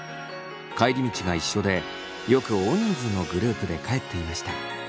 帰り道が一緒でよく大人数のグループで帰っていました。